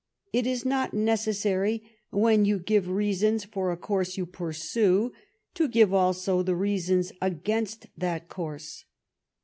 It is not necessary when you give reasons for a course you pursue to give also the reasons against that course.